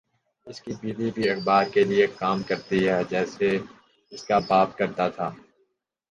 اس کی بیوی بھِی اخبار کے لیے کام کرتی ہے جیسے اس کا باپ کرتا تھا